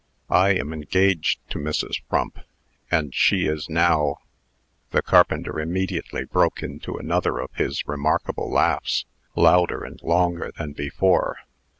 I am engaged to Mrs. Frump, and she is now " The carpenter immediately broke into another of his remarkable laughs, louder and longer than before.